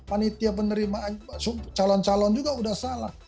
panitia penerimaan calon calon juga sudah salah